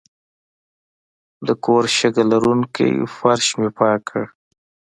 د کور شګه لرونکی فرش مې پاک کړ.